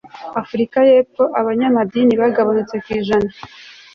afurika y epfo b abanyedini bagabanutseho ku ijana